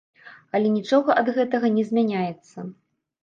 Але нічога ад гэтага не змяняецца.